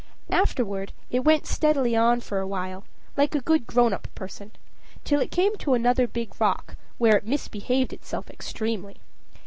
Afterward it went steadily on for a while, like a good grown up person, till it came to another big rock, where it misbehaved itself extremely.